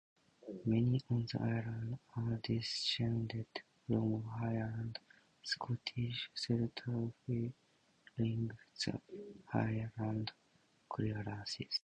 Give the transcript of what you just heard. Many on the Island are descended from Highland Scottish settlers fleeing the Highland Clearances.